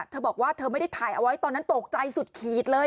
เธอบอกว่าเธอไม่ได้ถ่ายเอาไว้ตอนนั้นตกใจสุดขีดเลย